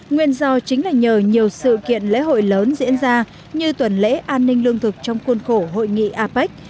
nguyên do chính là nhờ nhiều sự kiện lễ hội lớn diễn ra như tuần lễ an ninh lương thực trong khuôn khổ hội nghị apec